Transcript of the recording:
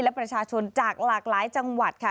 และประชาชนจากหลากหลายจังหวัดค่ะ